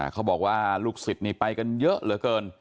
เขาบอกว่าลูกศิษย์นี่ไปกันเยอะเหลือเกิน